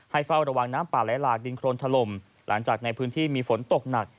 เฝ้าระวังน้ำป่าไหลหลากดินโครนถล่มหลังจากในพื้นที่มีฝนตกหนัก